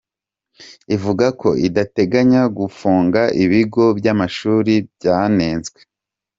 ivuga ko idateganya gufunga ibigo by’amashuri byanenzwe